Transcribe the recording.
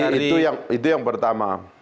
jadi itu yang pertama